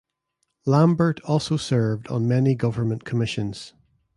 Lambert also served on many government commissions.